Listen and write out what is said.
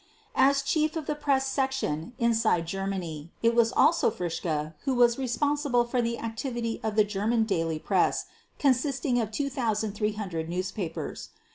As Chief of the Press Section inside Germany it was also Fritzsche who was responsible for the activity of the German daily press consisting of 2,300 newspapers.